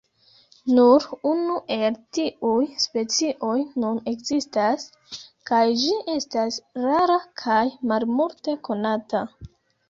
Nur unu el tiuj specioj nun ekzistas, kaj ĝi estas rara kaj malmulte konata.